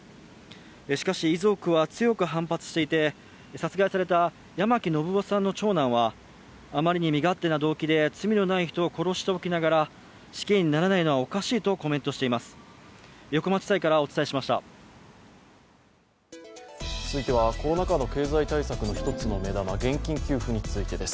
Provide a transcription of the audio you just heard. しかし、遺族は強く反発していて殺害された八巻信雄さんの長男はあまりに身勝手な動機で罪のない人を殺しておきながら死刑にならないのはおかしいとコメントしています。